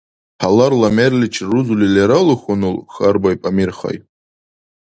— Гьаларла мерличир рузули лералу хьунул? – хьарбаиб Амирхай.